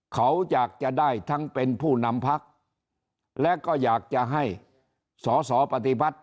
เขาอยากจะได้ทั้งเป็นผู้นำพักและก็อยากจะให้สอสอปฏิพัฒน์